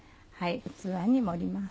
器に盛ります。